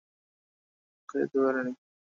Newton কিন্তু একটা বিষয়ে ব্যাখ্যা দিতে পারেননি।